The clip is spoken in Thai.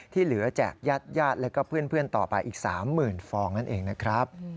ที่เหลือแจกญาติและก็เพื่อนต่อไปอีก๓๐๐๐ฟองนั่นเองนะครับ